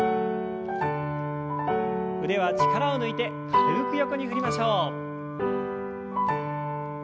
腕は力を抜いて軽く横に振りましょう。